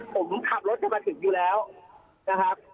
ผมขับรถจะมาถึงอยู่แล้วนะครับ